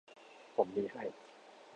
ผมมีให้